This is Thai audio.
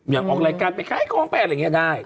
ออกรายการไปขายของไปอะไรอย่างนี้ได้